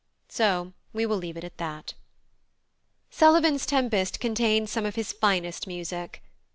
So we will leave it at that. +Sullivan's+ Tempest contains some of his finest music.